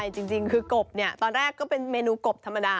จริงคือกบตอนแรกก็เป็นเมนูกบธรรมดา